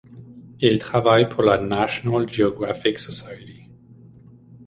Il travaille pour la National Geographic Society.